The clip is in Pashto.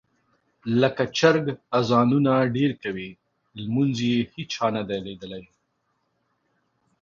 لکه چرګ اذانونه ډېر کوي، لمونځ یې هېچا نه دي لیدلی.